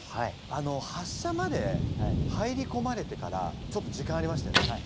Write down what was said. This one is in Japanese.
あの発射まで入りこまれてからちょっと時間ありましたよね。